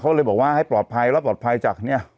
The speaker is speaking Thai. เขาเลยบอกว่าให้ปลอดภัยแล้วปลอดภัยจากเนี่ย